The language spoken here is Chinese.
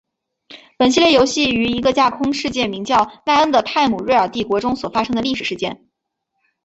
本系列游戏于一个架空世界名叫奈恩的泰姆瑞尔帝国中所发生的历史事件。